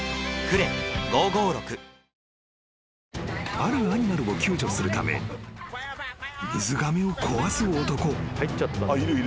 ［あるアニマルを救助するため水がめを壊す男］